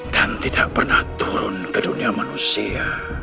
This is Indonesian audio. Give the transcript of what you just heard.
dan tidak pernah turun ke dunia manusia